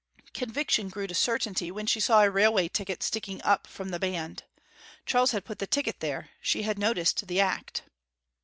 Conviction grew to certainty when she saw a railway ticket sticking up from the band. Charles had put the ticket there she had noticed the act.